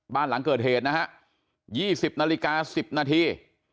บ้านหลังเกิดเหตุนะฮะ๒๐นาฬิกา๑๐นาที